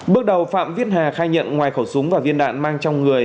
bước đầu phạm viết hà khai nhận ngoài khẩu súng và viên đạn mang trong người